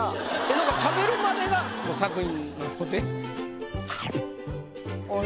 なんか食べるまでが作品なので。